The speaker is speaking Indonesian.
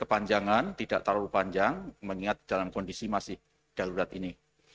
kepanjangan tidak terlalu panjang mengingat dalam kondisi masih darurat ini